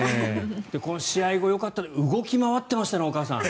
この試合後、よかった動き回ってましたね、お母さん。